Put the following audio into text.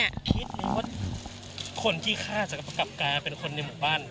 คิดไหมว่าคนที่ฆ่าจะกลับกลายเป็นคนในหมู่บ้าน